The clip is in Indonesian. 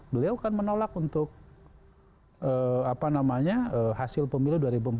beliau kan menolak untuk hasil pemilu dua ribu empat belas